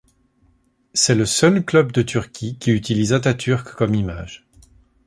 C'est le seul club de Turquie qui utilise Atatürk comme image.